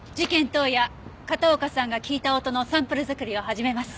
当夜片岡さんが聞いた音のサンプル作りを始めます。